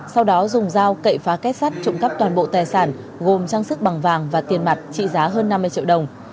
sau đó dùng dao cậy phá kết sắt trộm cắp toàn bộ tài sản gồm trang sức bằng vàng và tiền mặt trị giá hơn năm mươi triệu đồng